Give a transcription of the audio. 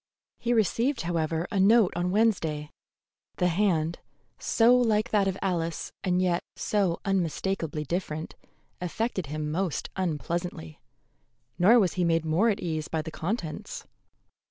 He received, however, a note on Wednesday. The hand, so like that of Alice and yet so unmistakably different, affected him most unpleasantly, nor was he made more at ease by the contents.